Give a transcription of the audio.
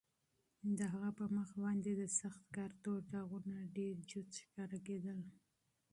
د هغه په مخ باندې د سخت کار تور داغونه ډېر جوت ښکارېدل.